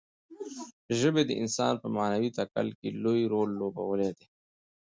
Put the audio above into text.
ژبې د انسان په معنوي تکامل کې لوی رول لوبولی دی.